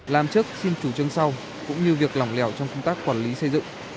làm chức xin chủ trương sau cũng như việc lỏng lẻo trong công tác quản lý xây dựng